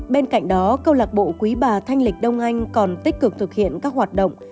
bên cạnh đó câu lạc bộ quý bà thanh lịch đông anh còn tích cực thực hiện các hoạt động